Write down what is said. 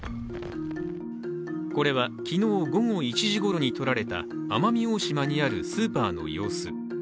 これは昨日午後１時ごろに撮られた奄美大島にあるスーパーの様子。